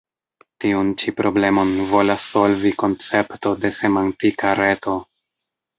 Tiun ĉi problemon volas solvi koncepto de Semantika Reto.